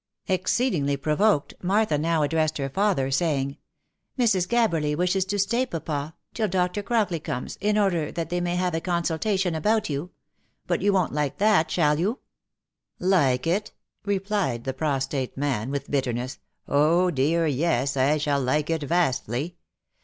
Exceedingly provoked, Martha now addressed her father, saying, " Mrs. Gabberly wishes to stay, papa, till Dr. Crockley comes, in order that they may have a consultation about you ; but you won't like that, shall you V " Like it?" replied the prostrate man, with bitterness, " Oh! dear yes, I shall like it vastly